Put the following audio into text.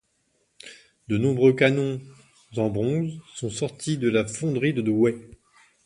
De nombreux canons en bronze sont sortis de la fonderie de Douai.